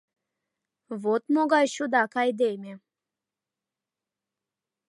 Вот могай чудак айдеме.